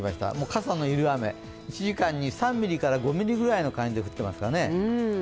傘の要る雨、１時間に３ミリから５ミリくらいの感じで降っていますからね。